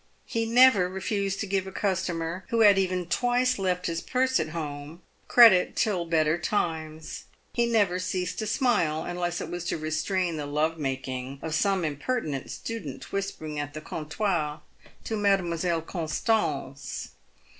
He never refused to give a customer, who had even twice left his purse at home, credit till better times. He never ceased to smile unless it was to restrain the love making of some impertinent student whispering at the comptoir to Mademoiselle Constance.